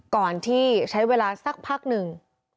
ก่อนที่ใช้เวลาสักพักหนึ่ง